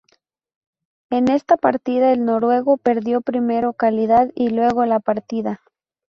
En esta partida el noruego perdió primero calidad y luego la partida.